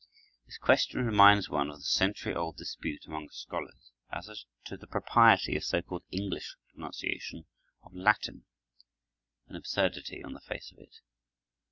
This question reminds one of the century old dispute among scholars as to the propriety of the so called English pronunciation of Latin, an absurdity on the face of it.